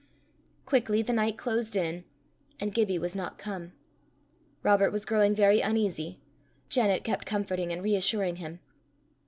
Quickly the night closed in, and Gibbie was not come. Robert was growing very uneasy; Janet kept comforting and reassuring him.